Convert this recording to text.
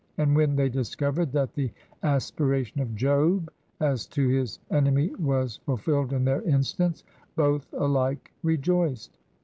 And when they discovered that the aspiration of Job as to his enemy was fulfilled in their instance, both alike rejoiced.